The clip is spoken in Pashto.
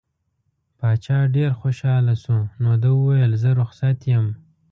باچا ډېر خوشحاله شو نو ده وویل زه رخصت یم.